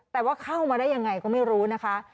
แต่ว่าเข้ามาได้ยังไงก็ไม่รู้นะคะ